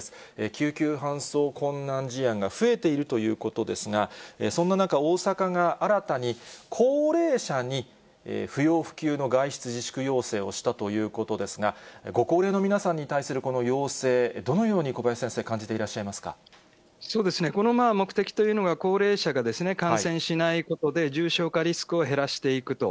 救急搬送困難事案が増えているということですが、そんな中、大阪が新たに、高齢者に不要不急の外出自粛要請をしたということですが、ご高齢の皆さんに対するこの要請、どのように小林先生、感じていらそうですね、この目的というのが、高齢者が感染しないことで、重症化リスクを減らしていくと。